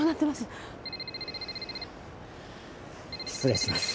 失礼します。